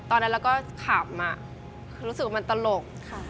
ตอนนั้นเราก็ขำรู้สึกว่ามันตลก